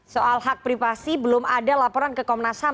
soal hak privasi belum ada laporan ke komnasam